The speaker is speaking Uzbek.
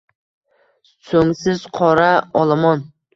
So’ngsiz qora olomon.